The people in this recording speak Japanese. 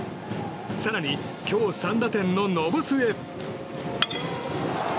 更に、今日３打点の延末。